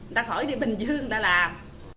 người ta khỏi đi bình dương người ta làm